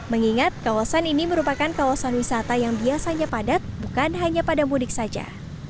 mengingat kawasan ini merupakan kawasan wisata yang biasanya padat bukan hanya pada mudik saja